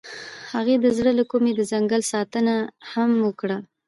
هغې د زړه له کومې د ځنګل ستاینه هم وکړه.